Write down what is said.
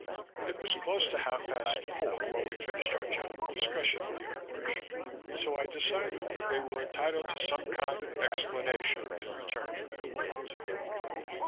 It was close to half past four when we finished our general discussion of the operation, so I decided that they were entitled to some kind of explanation in return for their loyalty.